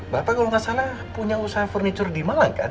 bapak kalau nggak salah punya usaha furniture di malang kan